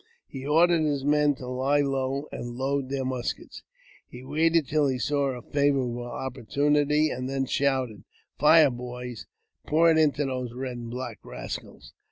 He ordered his men to lie low and load their muskets ; he waited till he saw a favourable opportunity, and then shouted, " Fire, boys, and pour it into the red and black rascals